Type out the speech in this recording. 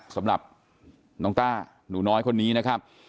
สำหรับน้องต้าหนูน้อยคนนี้นะครับ